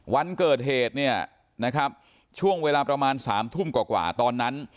วันเกิดเหตุเนี่ยนะครับช่วงเวลาประมาณ๓ทุ่มกว่าตอนนั้น